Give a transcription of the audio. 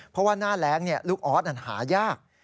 เพราะว่าหน้าแรงลูกออสนั้นหายาก